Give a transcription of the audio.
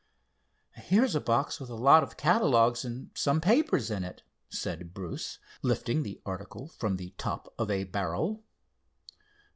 "Here's a box with a lot of catalogues, and some papers in it," said Bruce, lifting the article from the top of a barrel.